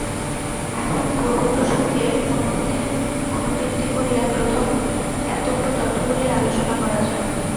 এখন পূর্ব-প্রসঙ্গের অনুবৃত্তি করিয়া প্রথম জ্ঞাতব্য তত্ত্বগুলির আলোচনা করা যাক।